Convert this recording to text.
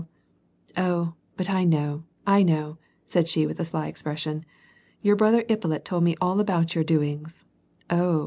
" Oh ! but I know, I know," said i lio, with a sly expression. "Your brother Ippolit told me Jill about your doings — oh!"